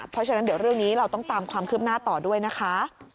เพราะฉะนั้นเดี๋ยวเรื่องนี้เราต้องตามความคืบหน้าต่อด้วยนะคะ